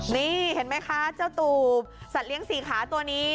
นี่เห็นไหมคะเจ้าตูบสัตว์เลี้ยงสี่ขาตัวนี้